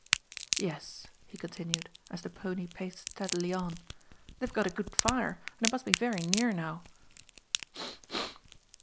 "Yes," he continued, as the pony paced steadily on, "they've got a good fire, and it must be very near now.